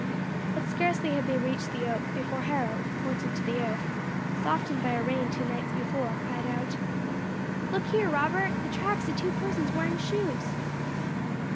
But scarcely had they reached the oak, before Harold, pointing to the earth, softened by a rain two nights before, cried out: "Look here, Robert! The tracks of two persons wearing shoes!"